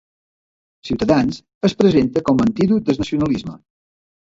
Ciutadans es presenta com a antídot del nacionalisme.